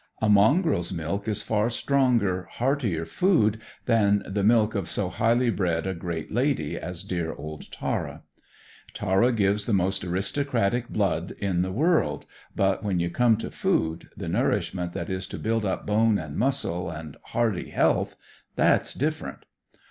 A mongrel's milk is far stronger, heartier food than the milk of so highly bred a great lady as dear old Tara. Tara gives the most aristocratic blood in the world; but when you come to food, the nourishment that is to build up bone and muscle, and hardy health that's different.